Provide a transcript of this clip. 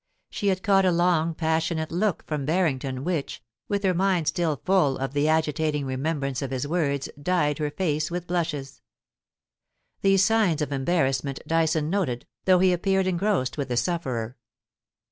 She had caught a long passionate look from Barrington which, with her mind still full of the agitating remembrance of his words, dyed her face with blushes. These signs of embarrassment Dyson noted, though he appeared engrossed with the sufferer.